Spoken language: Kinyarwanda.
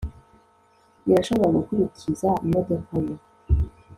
irashobora kuguriza imodoka ye